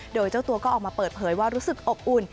โดยเจ้าตัวก็ออกมาเปิดเผยว่ารู้สึกอบอุ่น